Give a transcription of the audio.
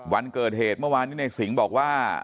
วันเกิดเหตุเมื่อวานนี้ในสิงห์บอกว่า